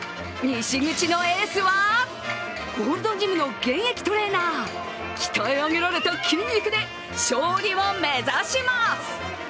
西口のエースはゴールドジムの現役トレーナー鍛え上げられた筋肉で勝利を目指します。